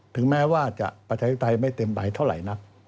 ถึงแม้ว่าจะประชาธิปไตยไม่เต็มใบเท่าไหร่นัก